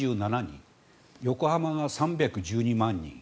横浜が３１２万人。